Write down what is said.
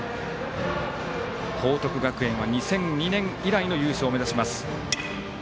報徳学園は２００２年以来の優勝を目指します。